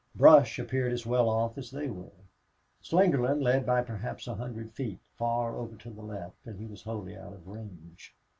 Brush appeared as well off as they were. Slingerland led by perhaps a hundred feet, far over to the left, and he was wholly out of range.